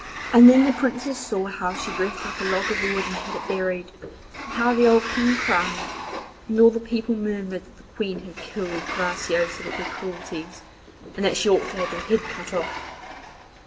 And then the Princess saw how she dressed up a log of wood and had it buried, and how the old King cried, and all the people murmured that the Queen had killed Graciosa with her cruelties, and that she ought to have her head cut off.